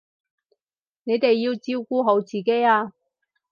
你哋要照顧好自己啊